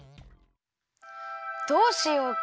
どうしようか？